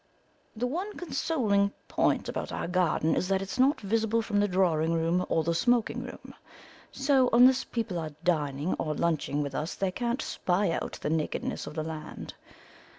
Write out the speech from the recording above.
The one consoling point about our garden is that it's not visible from the drawing room or the smoking room, so unless people are dinning or lunching with us they can't spy out the nakedness of the land.